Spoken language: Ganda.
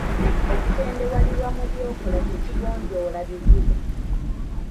Okutendewalirwa mu by'okola tekigonjoola bizibu.